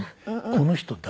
この人誰？